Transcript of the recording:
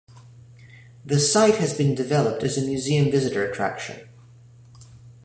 The site has been developed as a museum visitor attraction.